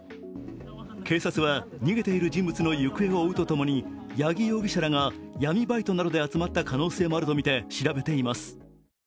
警察は逃げている人物の行方を追うとともに八木容疑者らが闇バイトなどで集まった可能性もあるとみて調べています。